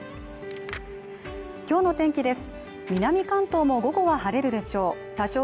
今日の天気です